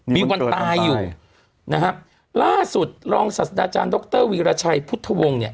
มีวันตายอยู่นะครับล่าสุดรองศาสตราจารย์ดรวีรชัยพุทธวงศ์เนี่ย